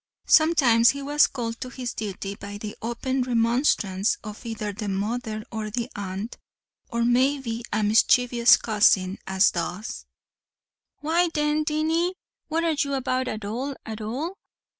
Sometimes he was called to his duty by the open remonstrance of either the mother or the aunt, or maybe a mischievous cousin, as thus: "Why then, Dinny, what are you about at all at all?